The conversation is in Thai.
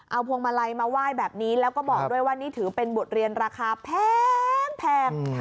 เอาพวงมาลัยมาไหว้แบบนี้แล้วก็บอกด้วยว่านี่ถือเป็นบทเรียนราคาแพง